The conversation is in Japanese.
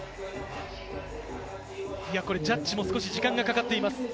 ジャッジも少し時間がかかっています。